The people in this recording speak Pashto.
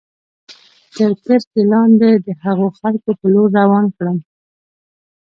تر کرښې لاندې د هغو خلکو په لور روان کړم.